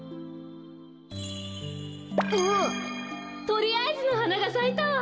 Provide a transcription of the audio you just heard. とりあえずのはながさいたわ！